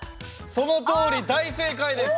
そのとおり大正解です！